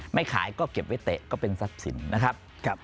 ไม่ขายก็เก็บไว้เตะก็เป็นทรัพย์สินนะครับ